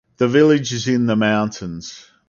The village is in the mountains.